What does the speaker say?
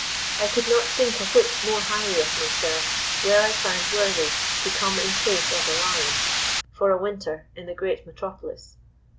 I could not think a whit more highly of myself were I found worthy to "come in place as a lion" for a winter in the great metropolis.